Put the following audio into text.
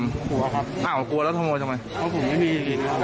กลัวครับอ้าวกลัวแล้วขโมยทำไมเพราะผมไม่มี